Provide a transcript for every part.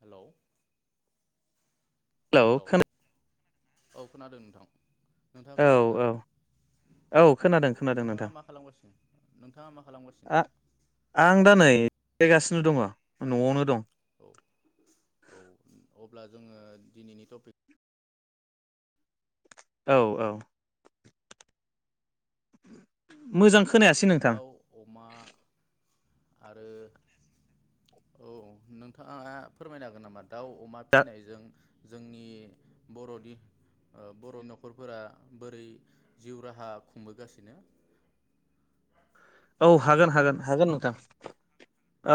हेल। Hello hello. खोना औ खोनादों नोंथां नोंथाङा औ खोनादों ना औ औ खोनादों औ खोनादों नोंथाङा नोंथां मा खालामगासिनो नोंथाङा मा खालामगासिनो आं दा नै जिरायगासिनो दङ नआवनो दं औ औ अब्ला जोङो दिनैनि टपिक औ औ मोजां खो दाउ अमा आरो औ नोंथाङा फोरमायनो हागोन नामा दाउ अमा दा फिसिनायजों जोंनि बरनि बर नखरफोरा बोरै जिउ राहा खुंबोगासिनो औ हागोन हागोन हागोन नोंथां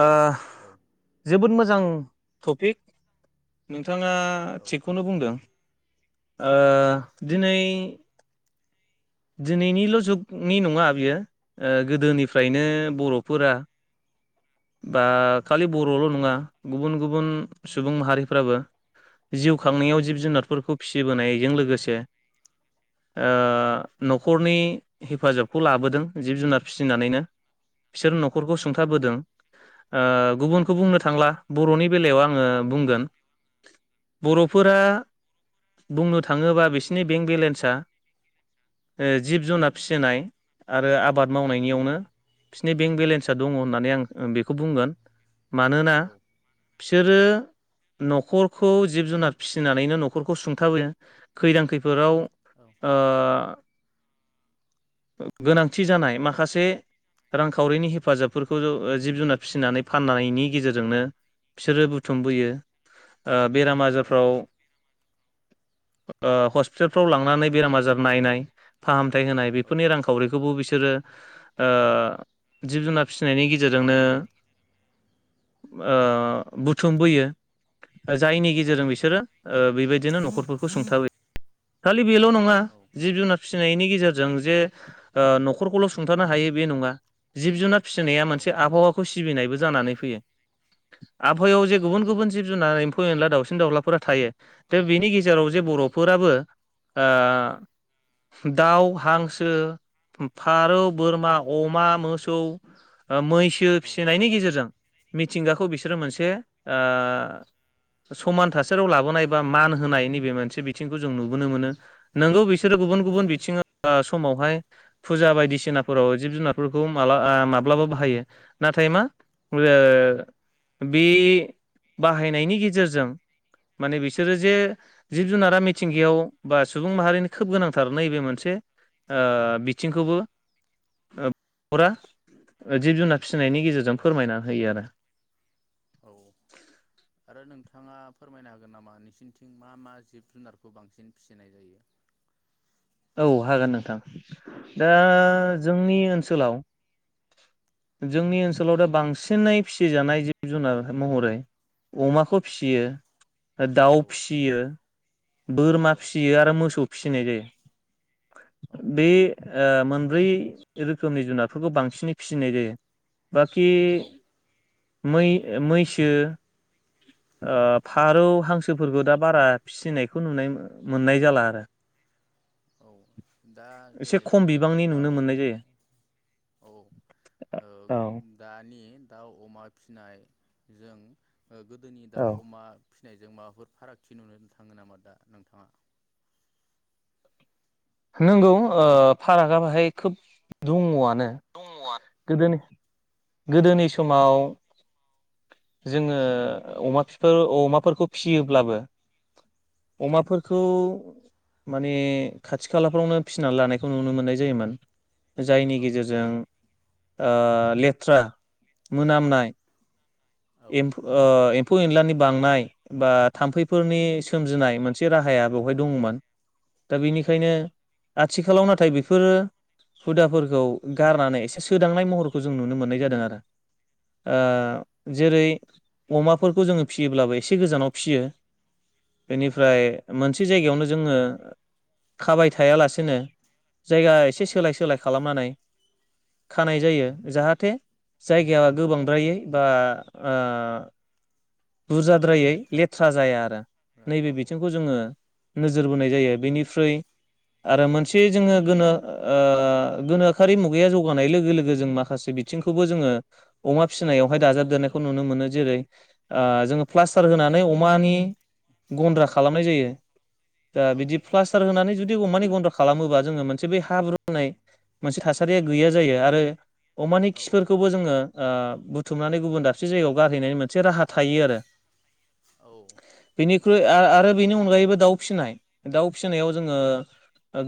ओ औ औ जोबोद मोजां मोजां टपिक नों नोंथाङा औ थिगखौनो बुंदों। ओ दिनै दिनैनिल जुगनि नङा बियो ओ गोदोनि फ्रायनो औ बरफोरा बा खालि बरल नङा गुबुन गुबुन सुबुं माहारिफ्राबो जिउ औ खांनायाव जिब जुनारफोरखौ फिसिबोनायजों लोगोसे ओ नखरनि हेफाजाबखौ लाबोदों जिब जुनार फिसिनानैनो बिसोर नख नखरखौ औ सुंथाबोदों ओ गुबुनखौ औ बुंनो थांला बरनि बेलायाव आङो बुंगोन बरफोरा बुंनो थाङोबा बिसिनि बेंक बेलेन्सा ओ जिब जुनार फिसिनाय आरो आबा आबाद औ मावनायनियावनो बिसिनि बेंक बेलेन्सा दङ होननानै आं ओ बेखौ बुंगोन मानोना औ फिसोरो नखरखौ जिब जुनार फिसिनानैनो नखरखौ सुंथाबो खैदां खैफोराव ओ गोनांथि जानाय माखासे रांखावरिनि हेफाजाबफोरखौ जिब जुनार फिसिनानै फाननायनि गेजेरजोंनो फिसोरो बुथुमबोयो ओ बेराम आजारफ्राव ओ हस्पिटालफ्राव लांनानै बेराम आजार नायनाय फाहाम थाय होनाय बेफोरनि रांखावरिखौबो बिसोरो ओ जिब जुनार फिसिनायनि गेजेरजोंनो बुथुमबोयो जायनि गेजेरजों बिसोरो बेबायदिनो न'खरफोरखौ सुंथाबो खालि बेल नङा औ जिब जुनार फिसिनायनि गेजेरजों जे नखरखौल सुंथानो हायो बे नङा जिब जुनार फिसिनाया औ मोनसे आबहावाखौ सिबिनायबो जानानै फैयो आबहायाव जे गुबुन गुबुन जिब जुनार एम्फौ फौ एनला दाउसिन दाउलाफोरा थायो दा बिनि गेजेराव जे बर'फोराबो ओ दाउ हांसो फारौ बोरमा अमा मोसौ मै सो फिसिनायनि गेजेरजों मिथिंगाखौ बिसोरो औ-औ-औ-औ-औ-औ-औ-औ मोनसे आ समान थासारियाव लाबोनाय बा मान होनाय नैबे मोनसे बिथिंखौ जों नुबोनो मोनो नोंगौ बिस सोरो गुबुन गुबुन बिथिङा समावहाय फुजा बायदिसिनाफोराव जिब जुनारफोरखौ माला-आ- माब्लाबा बाहायो। नाथाय मा ओ बि बाहायनायनि गेजेरजों माने बिसोरो जे जिब जुनारा मिथिंगायाव बा सुबुं माहारिनि खोब गोनांथार नैबे मोनसे ओ बिथिंखौबो [unintelligible] जिब जुनार फिसिनायनि गेजेरजों फोरमायना होयो आरो औ आरो नोंथाङा फोरमायनो हागोन नामा नोंसिनिथिं मा मा जिब जुनारखौ बांसिन फिसिनाय जायो? औ हागोन नोंथां दा जोंनि ओनसोलाव जोंनि ओनसोलाव दा बांसिनै फिसिजानाय जिब जुनार महरै अमाखौ फिसियो दाउ फिसियो। बोरमा फिसियो आरो मोसौ फिसिनाय जायो। बे औ-औ-औ-औ-औ-औ ओ मोन ब्रै रोखोमनि जुनारफोरखौ बांसिनै फिसिनाय जायो। बा खि मै मैसो आ फारौ हांसोफोरखौ दा बारा फिसिनायखौ नुनाय मोननाय जाला आरो औ दा एसे जेनेबा खम बिबांनि नुनो दाउ मोननाय जायो औ औ दानि दाउ अमा फि नाय जों गोदोनि दाउ औ अमा फिसिनायजों माबाफोर फारागथि नुनो थाङो नामा दा नोंथाङा? नंगौ ओ फारागा बाहाय खोब दङ आ नो गोदोनि गोदोनि समाव, जोङो अमाफिफोर अमाफोरखौ फिसियोब्लाबो अमाफोरखौ माने खाथि खालाफ्रावनो फिसिना लानायखौ नुनो मोननाय जायोमोन। जायनि गेजेरजों ओ लेथ्रा मोनामनाय औ-औ-औ-औ-औ-औ-औ-औ एमफो ओ ए म्फौ एनलानि बांनाय बा थाम्फै फोरनि सोमजिनाय मोन मोनसे राहाया बेवहाय दंमोन दा बेनिखा खायनो आथिखालाव नाथाय बेफोरो हुदाफोरखौ गारनानै एसे सोदांनाय महरखौ जों नुनो मोननाय जादों आरो ओ जेरै अमाफोरखौ जोङो फिसियोब्लाबो एसे गोजानाव फिसियो बेनिफ्राय मोनसे जायगायावनो जोङो खाबाय थायालासेनो जायगा एसे सोलाय सोलाय खालामनानै खानाय जायो जाहाथे जायगाया गोबांद्रायै बा ओ बुरजाद्रायै लेथ्रा जाया आरो औ नैबे बिथिंखौ जोङो नोजोर बोनाय जायो बेनि ख्रुइ आरो मोनसे जोङो गोनो ओ गोनोखोरि मुगाया जौगानाय लोगो लोगो जों माखासे बिथिंखौबो जोङो अमा फिसिनायावहाय दाजाबदेरनायखौ नुनो मोनो जेरै ओ जोङो प्लास्टार होनानै अमानि गन्द्रा खालामनाय जायो। दा औ बिदि होनानै जुदि अमानि गन्द्रा खालामोबा जोङो मोनसे बे हाब्रुनाय मोनसे हासा रिया गैया जायो आरो अमानि औ खिफोरखोबो जोङो ओ बुथुमनानै गुबुन दाबसे जायगायाव गारहैनायनि मोनसे राहा थायो आरो औ बिनि ख्रुइ आ-आरो बेनि अनगायैबो दाउ फिसिनाय दाउ फिसिनायाव जोङो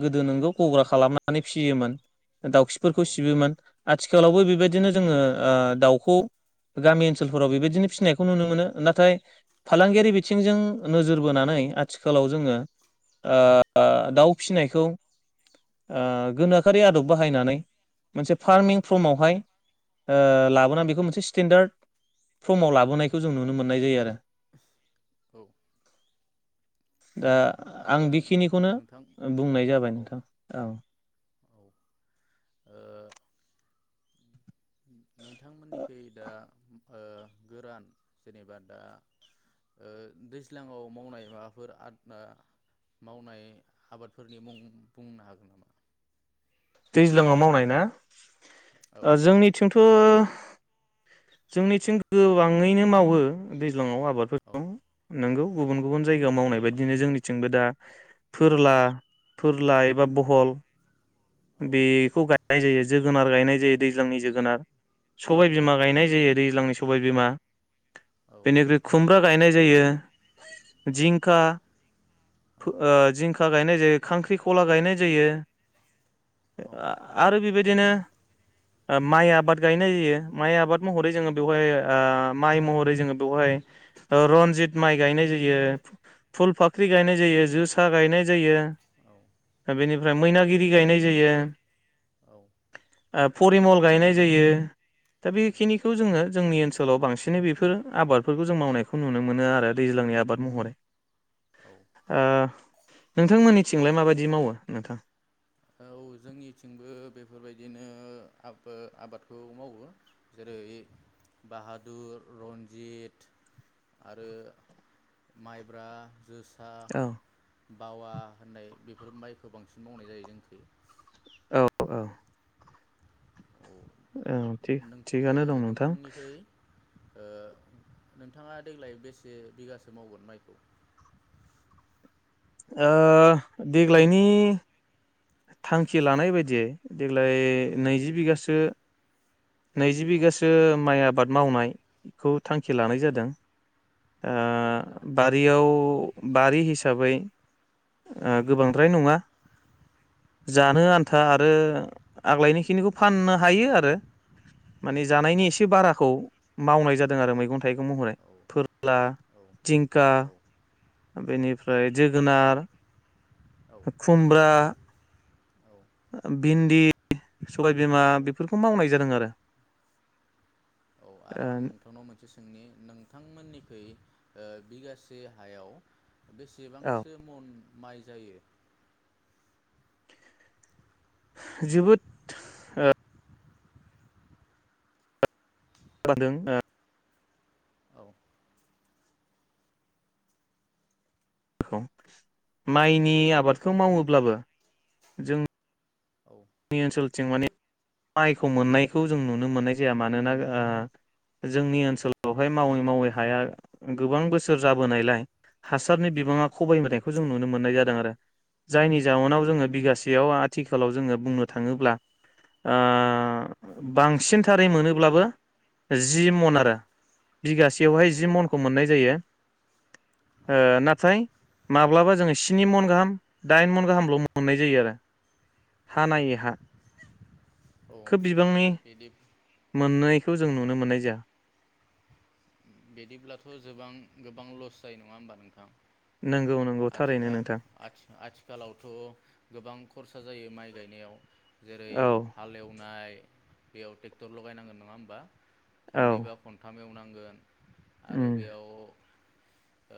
गोदो नोंगौ गग्रा खालामनानै फिसियोमोन औ दाउखिफोरखौ सिबोमोन आथिखालावबो बेबायदिनो जोङो ओ दाउ खौ गामि ओनसोलफोराव बेबायदिनो फिसिनायखौ नुनो मोनो नाथाय फालांगियारि बिथिंजों नोजोर बोनानै आथिखालाव जोङो ओ दाउ फिसिनायखौ ओ गोनोखोयारि आदब बाहायनानै मोनसे फार्मिं फर्म‌आवहाय औ लाबोनानै बेखौ मोनसे स्टेन्डार्ड फर्म‌आव लाबोनायखौ जों नुनो मोननाय जायो आरो। औ। दा। आं बेखिनिखौनो नोंथां बुंनाय जाबाय औ नोंथां औ। औ ओ नोंथांमोननिखै दा। ओ गोरान जेनेबा दा ओ दैज्लाङाव मावनाय माबाफोर आबाद मावनाय आबादफोरनि मुं बुंनो हागोन नामा। दैज्लांआव मावनाय ना। औ जोंनिथिं। थ जोंनिथिं गोबाङैनो मावो सिलङाव आबादफोर औ दं नोंगौ गुबुन-गुबुन औ जायगायाव मावनाय मा बायदिनो जोंनिथिंबो दा। फोरला। फोरलााय एबा औ बहल। औ बे खौ गायनाय जायो जोगोनार गायनाय जायो दैज्लांनि जोगोनार। सबाय औ बिमा गायनाय जायो। दैज्लांनि सबाय बिमा। औ बेनिफ्राय खुमब्रा गायनाय जायो। जिंखा फो ओ जिं गायनाय जायो खांख्रिखला गायनाय जायो। आरो बेबाय बिदिनो ओ माइ आबाद गायनाय जायो माइ आबाद महरै जोङो बेवहाय ओ माइ महरै जों बेवहाय ओ रनजित माइ गायनाय जायो फुल फाख्रि गायनाय जायो जोसा गायनाय जायो ओ बेनिफ्राय मैनागिरि फ्रि गायनाय जायो। औ। फरिमल गायनाय जायो दा औ बेखिनिखौ जोङो जोंनि ओनसोलाव बांसिनै बेफोर आबादफोरखौ जों मावनायखौ नुनो मोनो आरो दैज्लांनि आबाद महरै। औ ओ। नोंथांमोननिथिंलाय माबायदि मावो नोंथां। औ जोंनिथिंबो बेफोरबायदिनो आबादखौ मावो जेरै बाहादुर रनजित आरो माइब्रा जोसा। औ। बावा होननाय बेफोर माइखौ बांसिन मावनाय जायो जों औ औ। औ थिग नों ओ थिगनो दं नोंथां। नोंथांनिखै ओ नोंथाङा देग्लाय बेसे बिगासो मावगोन माइखौ। देग्लायनि थांखि लानाय बायदियै। देग्लाय औ नैजि बिगासो। नैजि औ बिगासो माइआ। आबाद मावनायखौ थांखि लानाय जादों। औ ओ जोबोर मोजां बारियाव बारि हिसाबै आ गोबांद्राय नङा औ जानो आन्था आरो आगलायनाय खिनिखौ फाननो हायो आरो माने औ जानायनि एसे बाराखौ मावनाय जादों आरो औ मैगं थाइगं महरै औ फोरला जिंखा औ बेनिफ्राय जोगोनार खुमब्रा औ बिन्दि सबायबिमा औ बेफोरखौ मावनाय जादों आर [unintelligible] औ आरो आं नोंथांनाव मोनसे सोंनि नोंथांमोननि खै ओ बिगासे हायाव औ बेसेबांसो मन माइ जायो जोबोद ओ [unintelligible] औ [unintelligible] माइनि आबादखौ मावोब्लाबो जों औ नि ओनसोलथिं माने माइखौ मोननायखौ जों नुनो मोननाय जाया मानोना ओ जोंनि ओनसोलावहाय मावै मावै हाया गोबां बोसोर जाबोनायलाय हासारनि बिब बाङा औ खमाय बोनायखौ जों नुनोमो नाय जादों आरो जायनि जाउनाव औ जोङो बिगासेयाव आथ थिखालाव जोङो बुंनो थाङोब्ला ओ बांसिनथारै मोनोब्लाबो जि मन आरो बिगासेयावहाय जि मनखौ मोननाय जायो औ ओ नाथाय माब्लाबा जोङो स्नि मन गाहाम दाइन मन गाहामल मोननाय जायो आरो हानायहा औ खोब बिबांनि बिदि मोननायखौ जों औ नुनो मोननाय जाया बिदिब्लाथ गोबां गोबां लस जायो नङा होमबा नोंथां? नंगौ नंगौ थारैनो आथिखा नोंथां आथि आथिखालावथ गोबां खर सा जायो माइ गायनायाव जेरै औ हालेवनाय बेयाव टेक्टर लगायनांगोन नङा होमबा औ खननैबा खनथाम एवनां गोन आरो उम बेयाव ओ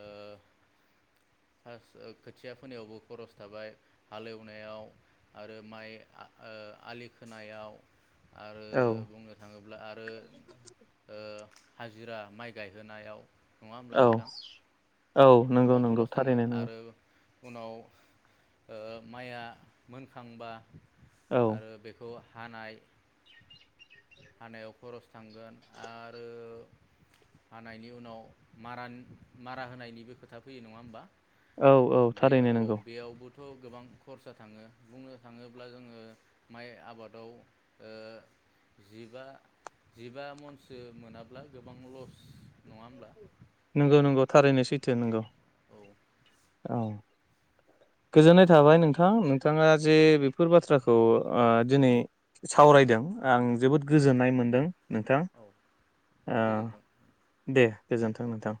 फार्स्थ ओ खोथिया फोनायावबो खरस थाबाय हालेवनायाव आरो माइ ओ आलि खोनायाव आरो औ बुंनो थाङोब्ला आरो ओ हाजिरा माइ गायहोनायाव होमब्ला औ नोंथां औ नंगौ गोबां नंगौ खरस थाङो थारैनाय नंगौ। आरो उनाव ओ माइआ मोनखांबा औ आरो बेखौ हानाय हानायाव खरस थांगोन आरो हानायनि उनाव मार मारा होनायनिबो खोथा फैयो नङा होमबा? औ औ थारैनो नोंगौ। थ गोबां खरसा थाङो बुंनो थाङोब्ला जोङो माइ आबादाव ओ जिबा जिबा मनसो मोनाब्ला गोबां लस नङा होमब्ला नंगौ नंगौ थारैनो सैथो नंगौ। औ औ गोजोननाय थाबाय नोंथां। नोंथाङा औ जे दे बेफोर बाथ्राखौ खौ ओ दिनै सावरायदों। आं जोबोद औ गोजोननाय मोनदों नोंथां औ ओ गोजोन्थों दे। गोजोन्थों नोंथां।